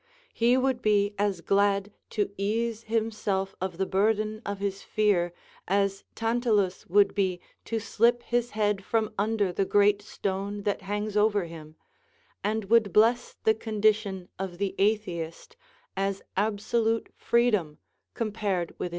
He would be as glad to ease himself of the burthen of his fear, as Tantalus would be to slip his head from under the great stone that hangs over him, and would bless the condition of the atheist as * II.